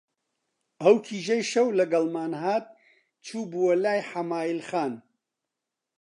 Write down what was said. ئەو کیژەی شەو لەگەڵمان هات، چووبووە لای حەمایل خان